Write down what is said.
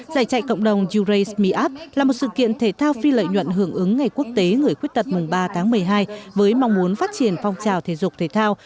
giải chạy cộng đồng yu ray sme up là một sự kiện thể thao phi lợi nhuận hưởng ứng ngày quốc tế người khuyết tật mùng ba tháng một mươi hai với mong muốn phát triển phong trào thể dục thể thao